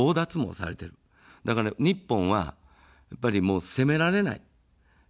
だから日本は、やっぱり攻められない。